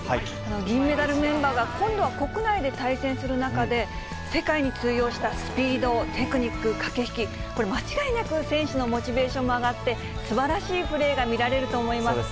銀メダルメンバーが、今度は国内で対戦する中で、世界に通用したスピード、テクニック、駆け引き、これ、間違いなく選手のモチベーションも上がって、すばらしいプレーが見られると思います。